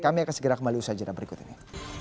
kami akan segera kembali usaha jadwal berikut ini